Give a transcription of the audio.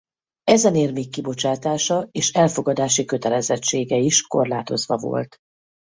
Ezen érmék kibocsátása és elfogadási kötelezettsége is korlátozva volt.